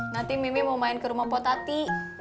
nanti mimi mau main ke rumah potati